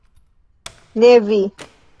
Ne vi.